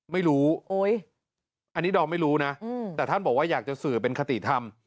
ไม่รู้อันนี้ดอมไม่รู้นะแต่ท่านบอกว่าอยากจะสื่อเป็นคติธรรม